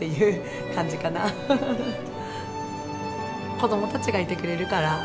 子供たちがいてくれるから。